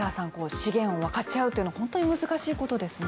資源を分かち合うというのは本当に難しいことですね。